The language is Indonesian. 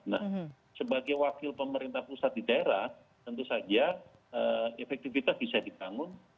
nah sebagai wakil pemerintah pusat di daerah tentu saja efektivitas bisa dibangun